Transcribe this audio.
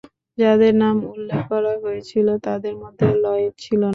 যাদের নাম উল্লেখ করা হয়েছিল তাদের মধ্যে লয়েড ছিল না।